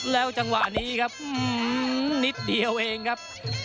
แล้วจังหวะนี้ครับนิดเดียวเองครับ